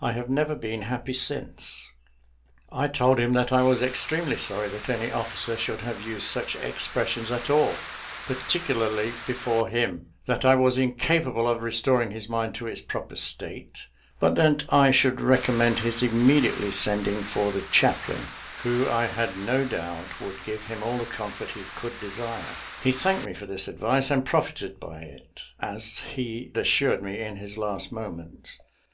I have never been happy since." I told him that I was extremely sorry that any officer should have used such expressions at all, particularly before him; that I was incapable of restoring his mind to its proper state; but that I should recommend his immediately sending for the chaplain, who, I had no doubt, would give him all the comfort he could desire. He thanked me for this advice, and profited by it, as he assured me in his last moments.